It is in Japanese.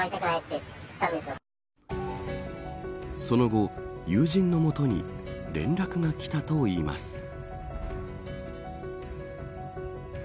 その後友人の元に連絡がきたといいます。